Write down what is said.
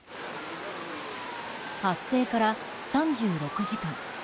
発生から３６時間。